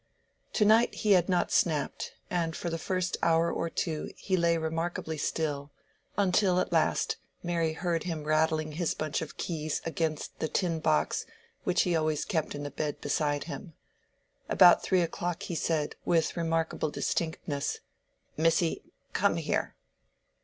To night he had not snapped, and for the first hour or two he lay remarkably still, until at last Mary heard him rattling his bunch of keys against the tin box which he always kept in the bed beside him. About three o'clock he said, with remarkable distinctness, "Missy, come here!"